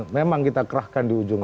memang kita kerahkan di ujung